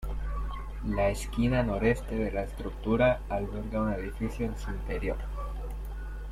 La esquina noreste de la estructura alberga un edificio en su interior.